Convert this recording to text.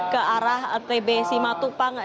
ke arah tb simatupang